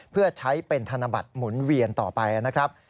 เพื่อใช้เป็นธนบัตรหมุนเวียนต่อไปนะครับ